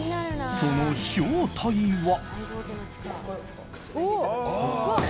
その正体は。